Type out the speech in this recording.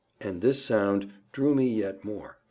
And this sound drew me yet more.